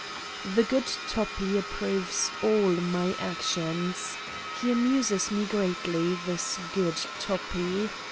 The good Toppi approves all my actions. He amuses me greatly, this good Toppi.